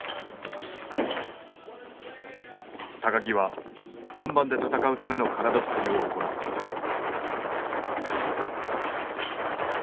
木は本番で戦うための体作りを行っていた。